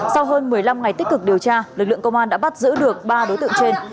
sau hơn một mươi năm ngày tích cực điều tra lực lượng công an đã bắt giữ được ba đối tượng trên